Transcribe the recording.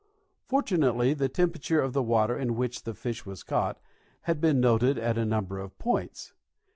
Fortunately the temperature of the water in which the fish was caught had been noted at a number of points.